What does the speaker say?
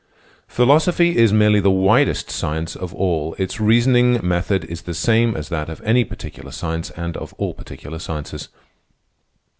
Philosophy is merely the widest science of all. Its reasoning method is the same as that of any particular science and of all particular sciences.